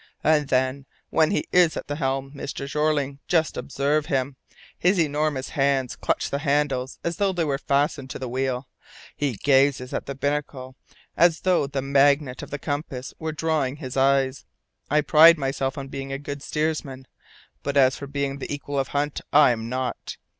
And then, when he is at the helm, Mr. Jeorling, just observe him! His enormous hands clutch the handles as though they were fastened to the wheel; he gazes at the binnacle as though the magnet of the compass were drawing his eyes. I pride myself on being a good steersman, but as for being the equal of Hunt, I'm not!